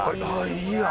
いいやん。